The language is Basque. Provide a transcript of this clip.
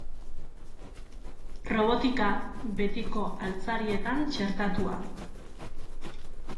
Robotika betiko altzarietan txertatua.